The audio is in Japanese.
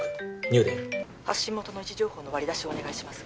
入電発信元の位置情報の割り出しをお願いします